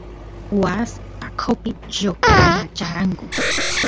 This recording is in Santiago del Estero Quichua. waas taqopi lloqanachkaranku